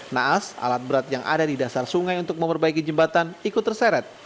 naas alat berat yang ada di dasar sungai untuk memperbaiki jembatan ikut terseret